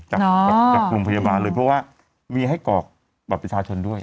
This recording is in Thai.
จากจากโรงพยาบาลเลยเพราะว่ามีให้กรอกบัตรประชาชนด้วย